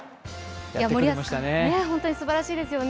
本当にすばらしいですよね。